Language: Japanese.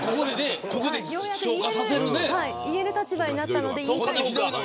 ようやく言える立場になったので。